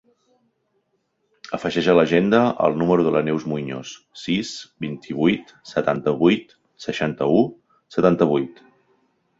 Afegeix a l'agenda el número de la Neus Muiños: sis, vint-i-vuit, setanta-vuit, seixanta-u, setanta-vuit.